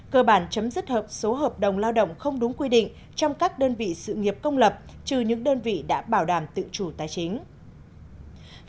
cơ bản chấm dứt hợp số hợp đồng lao động không đúng quy định trong các đơn vị sự nghiệp công lập trừ những đơn vị đã bảo đảm tự chủ tài chính